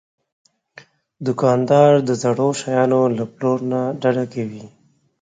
دوکاندار د زړو شیانو له پلور نه ډډه کوي.